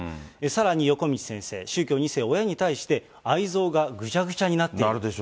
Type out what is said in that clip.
さらに横道先生、宗教２世、親に対して愛憎がぐちゃぐちゃになっている。